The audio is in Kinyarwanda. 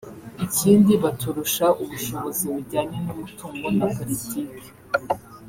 Ikindi baturusha ubushobozi bujyane n’umutungo na politiki